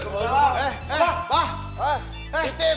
baik baik baik